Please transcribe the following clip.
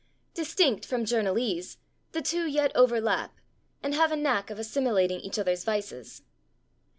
Distinct from journalese, the two yet overlap, "and have a knack of assimilating each other's vices."